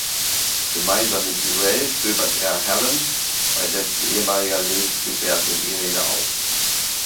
Gemeinsam mit Durrell stöbert er Hallam bei dessen ehemaliger Lebensgefährtin Irene auf.